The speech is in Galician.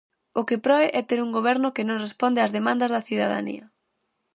O que proe é ter un goberno que non responde ás demandas da cidadanía.